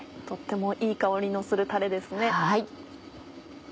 とってもいい香りのするタレですね。